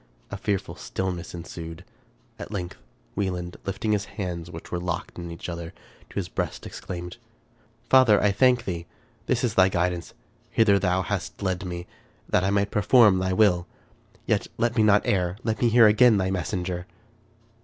A fearful stillness ensued. At length Wieland, lifting his hands, which were locked in each other, to his breast, exclaimed, " Father ! I thank thee. This is thy guidance. Hither thou hast led me, that I might perform thy will. Yet let me not err ; let me hear again thy messenger